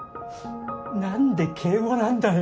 なんで敬語なんだよ。